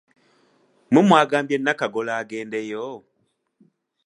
Mmwe mwagambye Nnakagolo agendeyo?